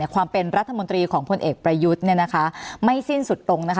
ความเป็นรัฐมนตรีของพลเอกประยุทธ์เนี่ยนะคะไม่สิ้นสุดตรงนะคะ